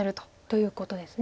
ということです。